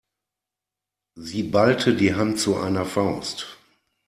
Sie ballte die Hand zu einer Faust.